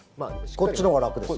こっちのほうが楽です。